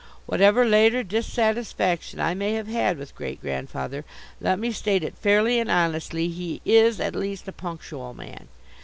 Whatever later dissatisfaction I may have had with Great grandfather, let me state it fairly and honestly, he is at least a punctual man.